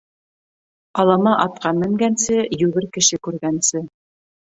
Алама атҡа менгәнсе, йүгер кеше күргәнсе.